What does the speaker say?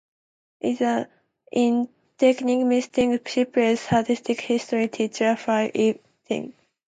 In "Teaching Mrs. Tingle", she plays sadistic history teacher Mrs Eve Tingle.